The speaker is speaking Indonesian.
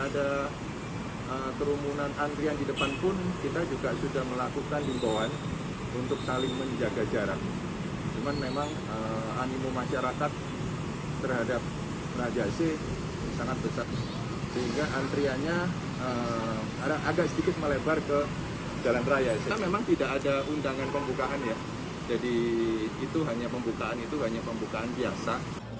jadi itu hanya pembukaan itu hanya pembukaan biasa